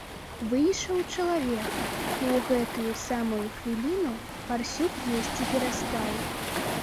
Выйшаў чалавек, і ў гэтую самую хвіліну парсюк есці перастаў.